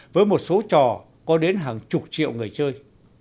với một số trò có đến hàng chục triệu người chơi